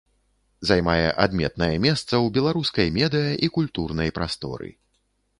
Займае адметнае месца у беларускай медыя- і культурнай прасторы.